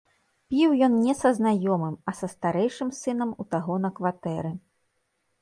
Піў ён не са знаёмым, а са старэйшым сынам у таго на кватэры.